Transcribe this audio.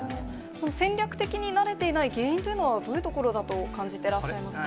その戦略的に慣れていない原因というのは、どういうところだと感じていらっしゃいますか？